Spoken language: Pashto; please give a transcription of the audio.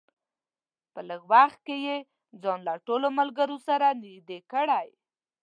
په لږ وخت کې یې ځان له ټولو ملګرو سره نږدې کړی.